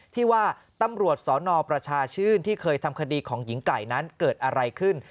ที่ว่าตำรวจสนประชาชื่นที่เคยทำคดีของหญิงไก่นั้นเกิดอะไรขึ้น